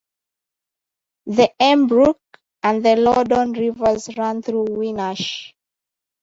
The Emm Brook and the Loddon rivers run through Winnersh.